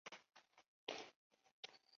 田中义一。